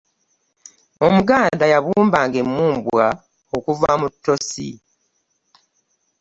omuganda yabumba nga emumbwa okuva mu tosi